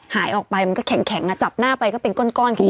หายออกไปมันก็แข็งจับหน้าไปก็เป็นก้อนแข็ง